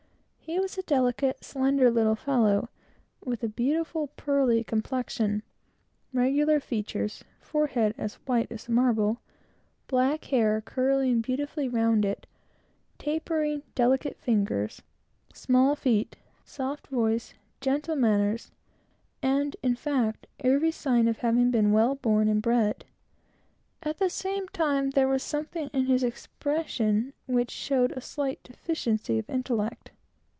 He was a delicate, slender little fellow, with a beautiful pearly complexion, regular features, forehead as white as marble, black haired, curling beautifully, rounded, tapering, delicate fingers, small feet, soft voice, gentle manners, and, in fact, every sign of having been well born and bred. At the same time there was something in his expression which showed a slight deficiency of intellect.